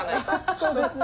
そうですね。